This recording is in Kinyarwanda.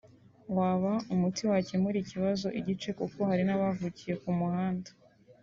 waba umuti wakemura ikibazo igice kuko hari n’abavukiye ku muhanda